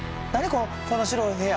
この白い部屋。